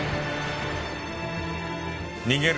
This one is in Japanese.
逃げる